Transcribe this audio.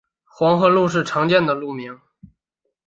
黄河路是常见的路名。